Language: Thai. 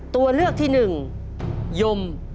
ตัวเลือกที่หนึ่งยม